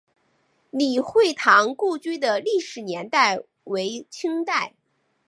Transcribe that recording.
李惠堂故居的历史年代为清代。